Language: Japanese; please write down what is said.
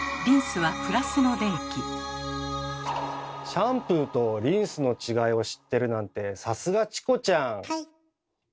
シャンプーとリンスの違いを知ってるなんてさすがチコちゃん！